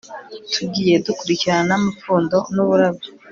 tugiye dukurikirana n amapfundo n uburabyo